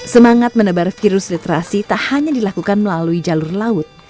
semangat menebar virus literasi tak hanya dilakukan melalui jalur laut